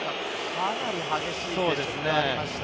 かなり激しい接触がありました。